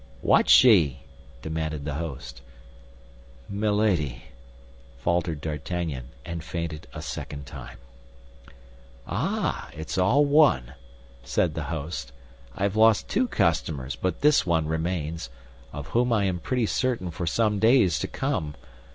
"What she?" demanded the host. "Milady," faltered D'Artagnan, and fainted a second time. "Ah, it's all one," said the host; "I have lost two customers, but this one remains, of whom I am pretty certain for some days to come.